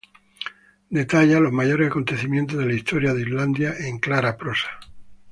Detalla los mayores acontecimientos de la historia de Islandia en clara prosa.